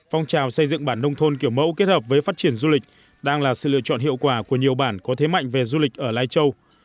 phong trào xây dựng bản nông thôn kiểu mẫu kết hợp với phát triển du lịch đang là sự lựa chọn hiệu quả của nhiều bản có thế mạnh về du lịch ở lai châu